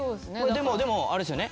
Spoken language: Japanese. でもあれっすよね？